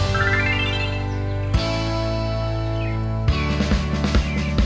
ฆ่าชาวเบอร์หรือใช่ติดต่อละล่ะ